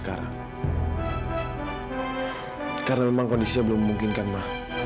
karena memang kondisinya belum memungkinkan mah